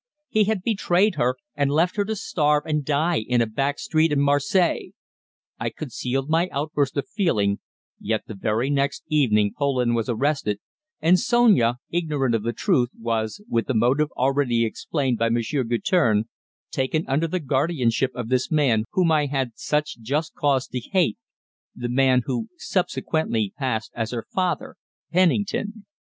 He had betrayed her, and left her to starve and die in a back street in Marseilles. I concealed my outburst of feeling, yet the very next evening Poland was arrested, and Sonia, ignorant of the truth, was, with a motive already explained by Monsieur Guertin, taken under the guardianship of this man whom I had such just cause to hate the man who subsequently passed as her father, Pennington.